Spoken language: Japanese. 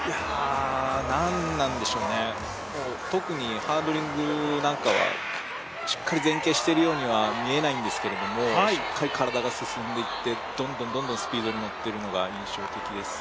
何なんでしょうね、特にハードリングなんかはしっかり前傾しているようには見えないんですけどしっかり体が進んでいって、どんどんスピードに乗っているのが印象的です。